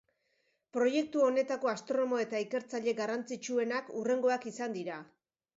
Proiektu honetako astronomo eta ikertzaile garrantzitsuenak hurrengoak izan dira.